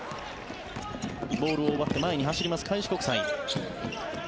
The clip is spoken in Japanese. ボールを奪って前に走ります開志国際。